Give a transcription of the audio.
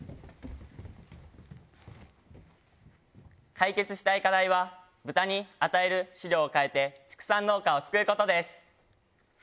解決したい課題は豚に与える飼料を変えて畜産農家を救うことです。